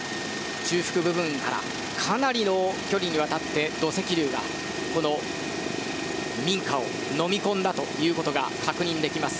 中腹部分からかなりの距離にわたり、土石流がこの民家をのみ込んだということが確認できます。